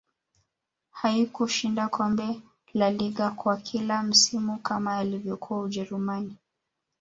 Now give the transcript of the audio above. haikushinda kombe lalaliga kwa kila msimu kama alivyokuwa ujerumani